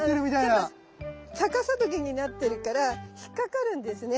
ちょっと逆さトゲになってるから引っ掛かるんですね。